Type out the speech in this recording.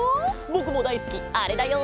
ぼくもだいすきあれだよ。